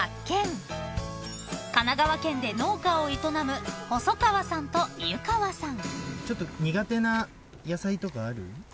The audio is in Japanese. ［神奈川県で農家を営む細川さんと湯川さん］